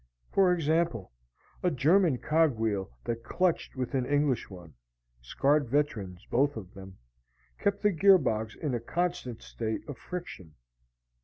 For example, a German cogwheel that clutched with an English one scarred veterans, both of them kept the gear box in a constant state of friction.